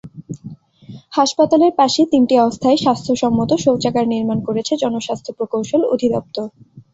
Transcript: হাসপাতালের পাশে তিনটি অস্থায়ী স্বাস্থ্যসম্মত শৌচাগার নির্মাণ করেছে জনস্বাস্থ্য প্রকৌশল অধিদপ্তর সদর।